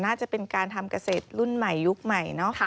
น่าจะเป็นการทำเกษตรรุ่นใหม่ยุคใหม่เนาะ